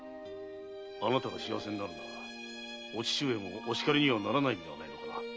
あなたが幸せになるならお父上もお叱りにはならないのではないのかな？